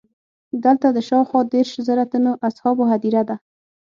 دلته د شاوخوا دېرش زره تنو اصحابو هدیره ده.